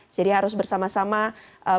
jadi harus bersama sama bersiaga